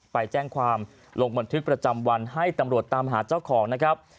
ไปแจ้งความลงบันทึกประจำวันให้ตำรวจตามหาเจ้าของนะครับ